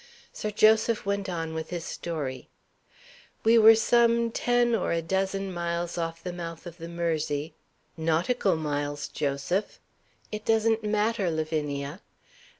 Sir Joseph went on with his story: "We were some ten or a dozen miles off the mouth of the Mersey " "Nautical miles, Joseph." "It doesn't matter, Lavinia."